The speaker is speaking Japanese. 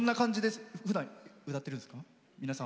こんな感じでふだん、歌ってるんですか？